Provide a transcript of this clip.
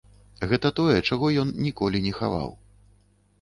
Гэта тое, чаго ён ніколі не хаваў.